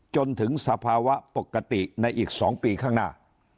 จนถึงสภาวะปกติในอีก๒ปีข้างหน้า